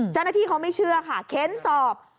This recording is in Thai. เจ้าหน้าที่เขาไม่เชื่อค่ะเค้นสอบ